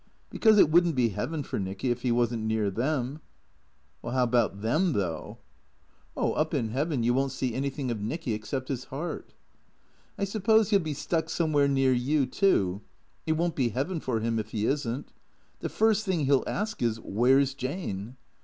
Because it would n't be heaven for Nicky if he was n't near them." "How about them, though?" 82 THECEEATOES " Oh, up in heaven you won't see anything of Nicky except his heart." " I suppose he '11 be stuck somewhere near you, too. It won't be heaven for him if he is n't. The first thing he '11 ask is, 'Where's Jane?'"